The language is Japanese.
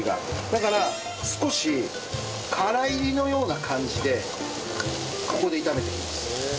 だから少し空炒りのような感じでここで炒めておきます。